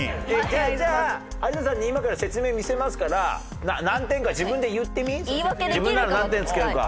じゃあじゃあ有田さんに今から説明見せますから自分なら何点つけるか。